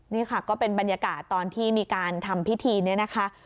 นี่ค่ะก็เป็นบรรยากาศตอนที่มีการทำพิธีนี้นะคะ